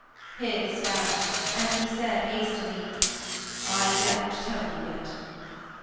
His fell, and he said hastily, "I dare not tell you yet."